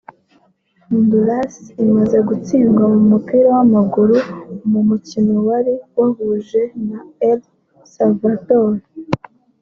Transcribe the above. Honduras imaze gutsindwa mu mupira w’amaguru mu mukino wari wayihuje na El Salvador